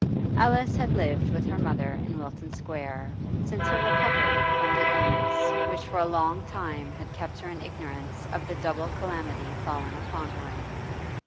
Alice had lived with her mother in Wilton Square since her recovery from the illness which for a long time had kept her in ignorance of the double calamity fallen upon her.